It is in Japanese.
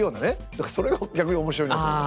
だからそれが逆に面白いなと思う。